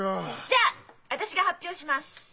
じゃあ私が発表します。